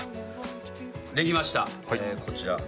できましたこちら。